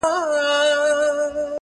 • یو قاضي بل څارنوال په وظیفه کي,